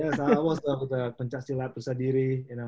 ya saya suka pencaci lat prisadiri